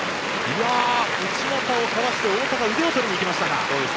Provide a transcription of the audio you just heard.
内股をかわして、太田が腕を取りにいきました。